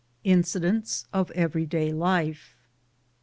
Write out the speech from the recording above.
INCIDENTS OF EVEEY DAY LIFE.